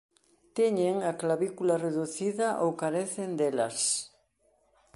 Teñen a clavícula reducida ou carecen delas.